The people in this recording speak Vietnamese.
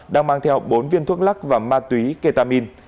đang mang theo bốn viên thuốc lắc và ma túy ketamin